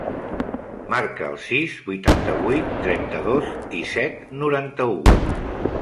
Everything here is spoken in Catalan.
Marca el sis, vuitanta-vuit, trenta-dos, disset, noranta-u.